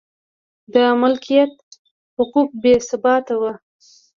د مالکیت حقوق بې ثباته و.